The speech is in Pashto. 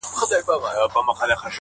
چي تپش یې بس پر خپله دایره وي,